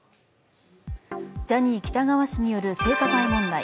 ジャニー喜多川氏による性加害問題。